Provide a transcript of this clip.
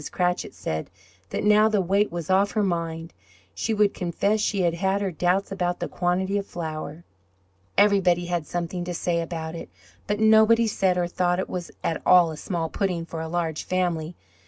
Cratchit said that, now the weight was off her mind, she would confess she had her doubts about the quantity of flour. Everybody had something to say about it, but nobody thought or said it was at all a small pudding for a large family.